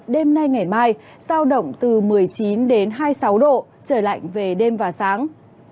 đêm nay ngày mai sao động từ một mươi chín hai mươi sáu độ trời lạnh về đêm và sáng